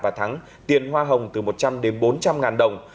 và thắng tiền hoa hồng từ một trăm linh đến bốn trăm linh ngàn đồng